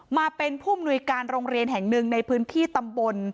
มาเป็นผู้มนุยการโรงเรียนแห่งหนึ่งในพื้นที่ตำบล